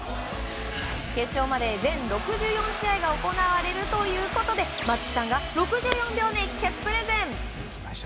決勝まで全６４試合が行われるということで松木さんが６４秒熱血プレゼン！